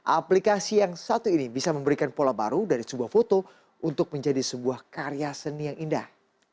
aplikasi yang satu ini bisa memberikan pola baru dari sebuah foto untuk menjadi sebuah karya seni yang indah